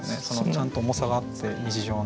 ちゃんと重さがあって日常の。